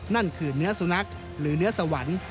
นั่นคือเนื้อสุนัขหรือเนื้อสวรรค์